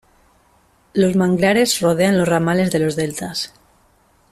Los manglares rodean los ramales de los deltas.